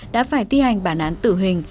đã phải thi hành bản án tử hình